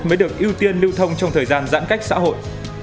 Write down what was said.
mới được ưu tiên lưu thông trong thời gian giãn cách xã hội